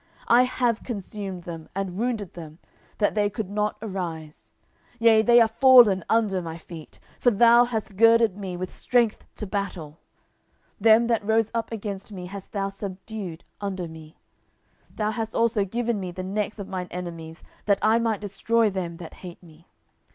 10:022:039 And I have consumed them, and wounded them, that they could not arise: yea, they are fallen under my feet. 10:022:040 For thou hast girded me with strength to battle: them that rose up against me hast thou subdued under me. 10:022:041 Thou hast also given me the necks of mine enemies, that I might destroy them that hate me.